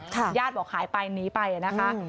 ญาติบอกหายไปหนีไปนะคะ